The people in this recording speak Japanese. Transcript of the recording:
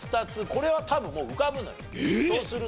これは多分もう浮かぶのよそうすると。